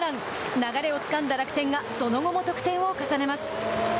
流れをつかんだ楽天がその後も得点を重ねます。